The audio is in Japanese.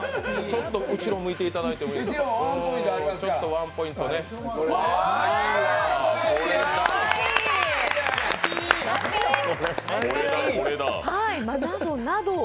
ちょっと後ろ向いていただいてもちょっとワンポイントね。などなど